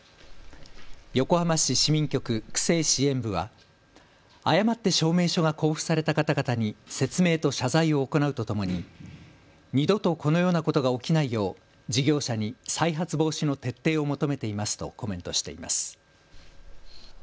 横浜市市民局区政支援部は誤って証明書が交付された方々に説明と謝罪を行うとともに二度とこのようなことが起きないよう事業者に再発防止の徹底を求めていますとコメントしています。